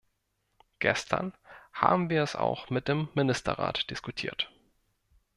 Gestern haben wir es auch mit dem Ministerrat diskutiert.